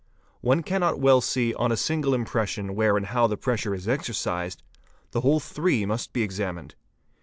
One cannot well see on a single impression where and how the pressure is exercised: the whole three must be examined.